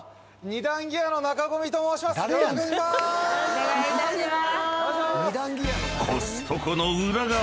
お願いいたします。